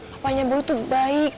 papanya boy tuh baik